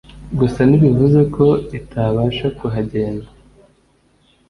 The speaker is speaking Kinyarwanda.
gusa ntibivuze ko itabasha kuhagenda